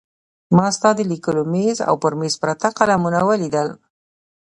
ما ستا د لیکلو مېز او پر مېز پراته قلمونه ولیدل.